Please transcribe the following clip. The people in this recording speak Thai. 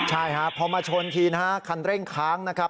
ใช่ครับพอมาชนทีนะฮะคันเร่งค้างนะครับ